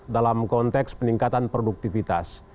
dalam konteks peningkatan produktivitas